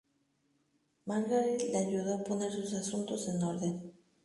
Margaret le ayudó a poner sus asuntos en orden.